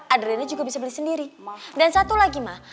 adriana juga bisa beli sendiri dan satu lagi ma